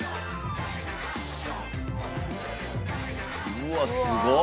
うわすごっ。